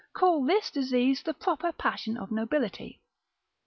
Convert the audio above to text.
call this disease the proper passion of nobility.